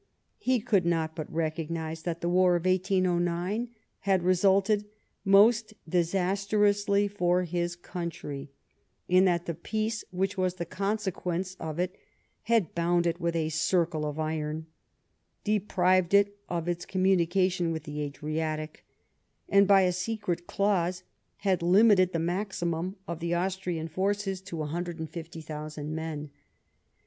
He could not but recojjnise that the war of 1809 had resulted most dis astrously for his coinitry, in that the peace which was the consequence of it had bound it with a circle of iron ; de prived it of its communication with the Adriatic ; and, by a secret clause, had limited the maximum of the Austrian forces to 150,000 men.